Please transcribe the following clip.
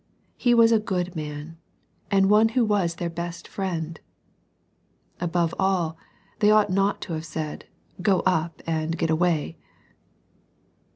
He was a good man, and one who was their best friend. — ^Above all, they ought not to have said, " Go up, and get away."